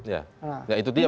ya itu dia